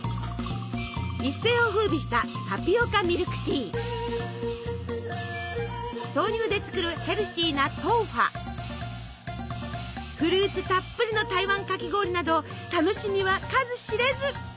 一世をふうびした豆乳で作るヘルシーなフルーツたっぷりの台湾かき氷など楽しみは数知れず。